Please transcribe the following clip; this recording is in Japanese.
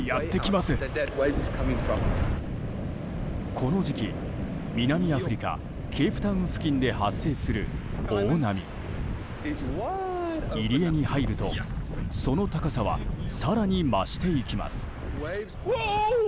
この時期、南アフリカケープタウン付近で発生する大波入り江に入るとその高さは更に増していきます。